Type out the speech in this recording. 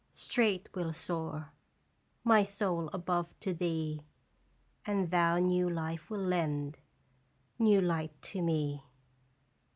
straight will soar My soul above to thee ; And thou new life will lend, New light to me.